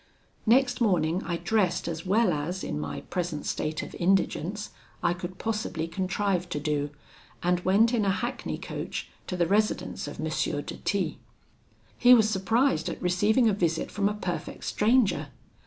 "Next morning I dressed as well as, in my present state of indigence, I could possibly contrive to do; and went in a hackney coach to the residence of M. de T . He was surprised at receiving a visit from a perfect stranger.